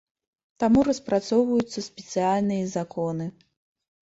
Таму распрацоўваюцца спецыяльныя законы.